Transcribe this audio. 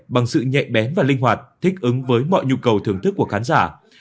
bằng sự nhẹ bén và linh hoạt thích ứng với mọi nhu cầu thưởng thức của khán giả